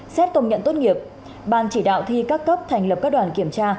xét công nhận tốt nghiệp ban chỉ đạo thi các cấp thành lập các đoàn kiểm tra